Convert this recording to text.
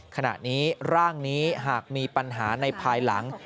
ขณะนี้ร่างนี้หากมีปัญหาในภายหลัง